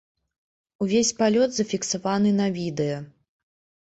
Увесь палёт зафіксаваны на відэа.